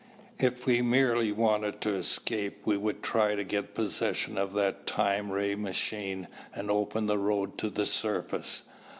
If we merely wanted to escape we would try to get possession of that time ray machine and open a road to the surface.